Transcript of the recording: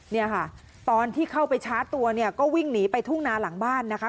เนี่ยค่ะตอนที่เข้าไปชาร์จตัวเนี่ยก็วิ่งหนีไปทุ่งนาหลังบ้านนะคะ